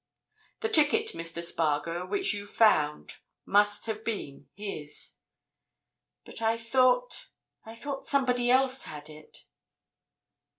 The ticket, Mr. Spargo, which you've found must have been his. But I thought—I thought somebody else had it!"